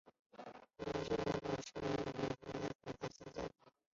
女皇志愿组织慈善服务奖是每年向英国义务组织颁发的奖项。